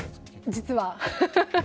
実は。